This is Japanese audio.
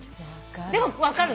でも分かるの。